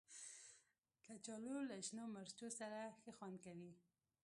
کچالو له شنو مرچو سره ښه خوري